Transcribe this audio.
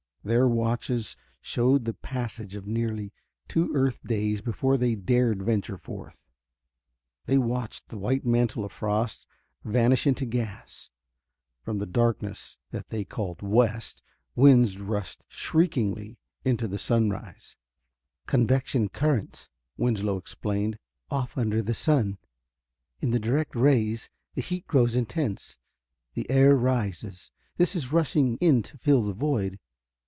Their watches showed the passage of nearly two earth days before they dared venture forth. They watched the white mantle of frost vanish into gas. From the darkness that they called "west," winds rushed shriekingly into the sunrise. "Convection currents," Winslow explained; "off under the sun. In the direct rays the heat grows intense; the air rises. This is rushing in to fill the void.